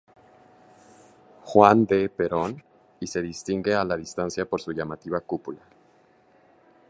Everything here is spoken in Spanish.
Juan D. Perón, y se distingue a la distancia por su llamativa cúpula.